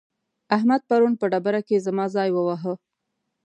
احمد پرون په ډبره کې زما ځای وواهه.